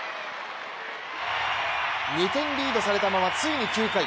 ２点リードされたまま、ついに９回。